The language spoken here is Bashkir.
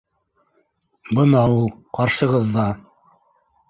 Бына ул. Ҡаршығыҙҙа.